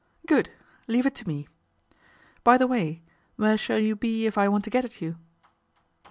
" Good ! leave it to me. By the way, where shall you be if I want to get at you